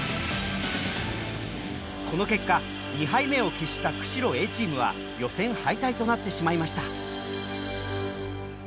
この結果２敗目を喫した釧路Ａチームは予選敗退となってしまいました。